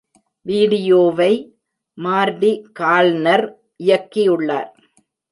வீடியோவை மார்டி கால்னர் இயக்கியுள்ளார்.